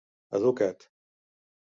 Educa't.